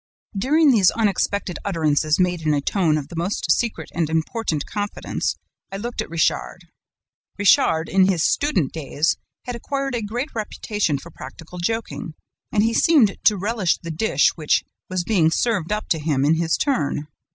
"During these unexpected utterances made in a tone of the most secret and important confidence, I looked at Richard. Richard, in his student days, had acquired a great reputation for practical joking, and he seemed to relish the dish which was being served up to him in his turn.